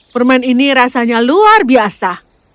permen ini rasanya luar biasa